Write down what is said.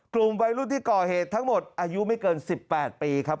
กลุ่มวัยรุ่นที่ก่อเหตุทั้งหมดอายุไม่เกิน๑๘ปีครับ